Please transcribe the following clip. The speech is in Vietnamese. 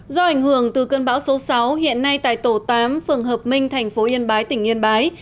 do ảnh hưởng từ cơn bão số sáu hiện nay tại tổ tám phường hợp minh thành phố yên bái tỉnh yên bái